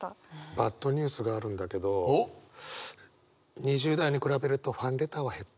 バッドニュースがあるんだけど２０代に比べるとファンレターは減った。